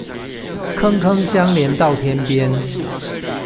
坑坑相連到天邊